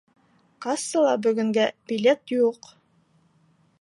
Кассала бөгөнгә билет юҡ